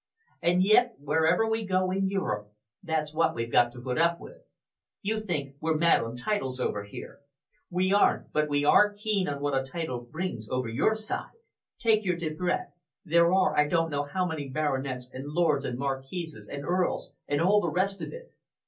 And yet, wherever we go in Europe, that's what we've got to put up with! You think we're mad on titles over here! We aren't, but we are keen on what a title brings over your side. Take your Debrett there are I don't know how many baronets and lords and marquises and earls, and all the rest of it.